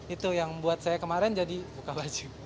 itu yang buat saya kemarin jadi buka baju